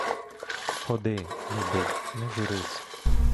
Ходи, любий, не журись!